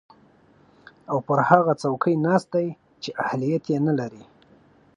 او پر هغه څوکۍ ناست دی چې اهلیت ېې نلري